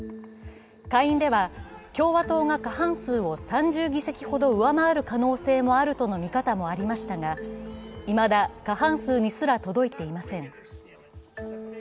下院では、共和党が過半数を３０議席ほど上回る可能性があるとの見方もありましたが、いまだ過半数にすら届いていません。